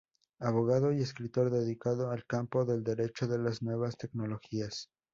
Abogado y escritor dedicado al campo del derecho de las nuevas tecnologías.